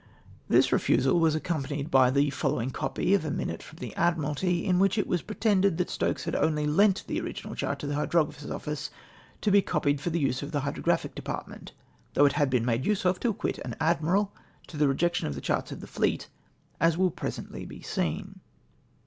This refusal was accompaniecl by tlie following copy of a minute fi^om the Admiralty : in which it was pre tended that Stokes had only lent the original chart to the Hydrograplier's office, to he copied for the use of the Hydrographic Department — though it had been made use of to acquit an admiral, to the rejection of the charts of the fleet, as will presently be seen.